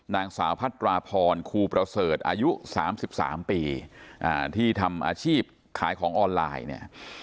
นางสาวพัตราพรครูประเสริฐอายุ๓๓ปีที่ทำอาชีพขายของออนไลน์เนี่ย